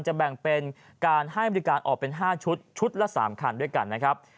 แบ่งเป็นการให้บริการออกเป็น๕ชุดชุดละ๓คันด้วยกันนะครับ